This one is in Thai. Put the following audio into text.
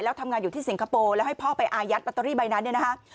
แล้วทำงานอยู่ที่สิงคโปร์แล้วให้พ่อไปอายัดลอตเตอรี่ใบนั้นเนี่ยนะคะ